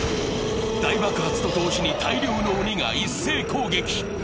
大爆発と同時に大量の鬼が一斉攻撃。